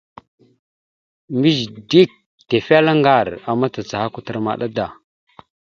Mbiyez dik tefelaŋar a macacaha kwatar maɗa da.